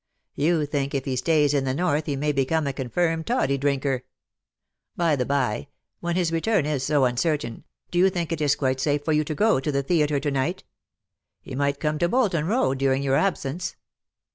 You think if he stays in the North he may become a confirmed toddy drinker. By the by, when his return is so uncertain, do you think it is quite safe for you to go to the theatre to night ? He might come to Bolton Kow during your absence.